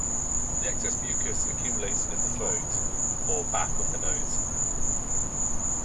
The excess mucus accumulates in the throat or back of the nose.